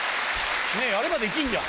やればできんじゃん。